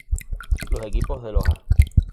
Los equipos de Loja.